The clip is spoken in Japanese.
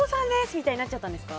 みたいになっちゃったんですか？